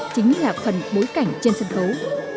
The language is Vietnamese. chính là phần bối cảnh trên sân khấu